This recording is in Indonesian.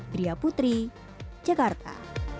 priya putri jakarta